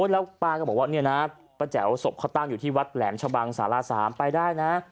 แล้วป้าก็บอกว่าเนี่ยนะป้าแจ๋วศพเขาตั้งอยู่ที่วัดแหลมชะบังสารา๓ไปได้นะ